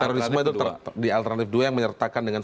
terorisme itu di alternatif dua yang menyertakan dengan